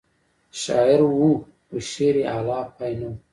شاعر و خو شعر یې اعلی پای نه و.